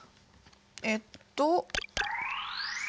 えっと。